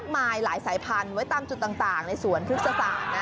มีหลายใสผันตามจุดต่างในศูนย์ครึ่งรักษา